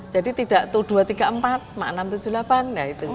jadi tidak tu dua tiga empat makna enam tujuh lapan